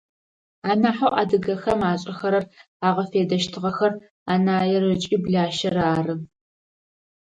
Анахьэу адыгэхэм ашӏэхэрэр, агъэфедэщтыгъэхэр анаир ыкӏи блащэр ары.